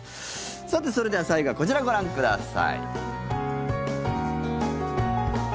さて、それでは最後はこちらをご覧ください。